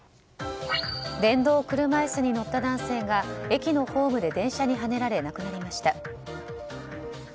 電動車椅子に乗った男性が駅のホームで電車にはねられ亡くなりました。